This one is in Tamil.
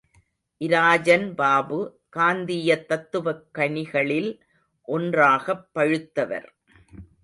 இராஜன் பாபு, காந்தீயத் தத்துவக் கனிகளில் ஒன்றாகப் பழுத்தவர்.